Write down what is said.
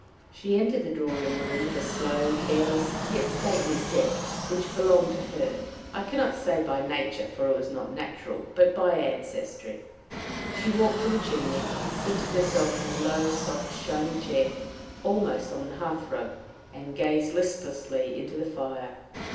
She entered the drawing room with a slow, careless, yet stately step, which belonged to her, I can not say by nature, for it was not natural, but by ancestry. She walked to the chimney, seated herself in a low, soft, shiny chair almost on the hearth rug, and gazed listlessly into the fire.